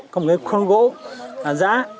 có một cái khuôn gỗ giã